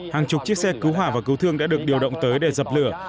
hàng chục chiếc xe cứu hỏa và cứu thương đã được điều động tới để dập lửa